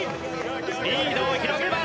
リードを広げます。